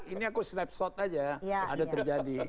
ini aku snapshot aja ada terjadi